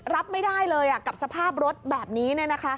รับไม่ได้เลยกับสภาพรถแบบนี้